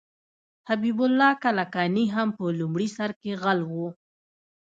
حبیب الله کلکاني هم په لومړي سر کې غل و.